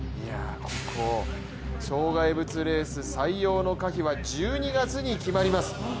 障害物レース採用の可否は１２月に決まります。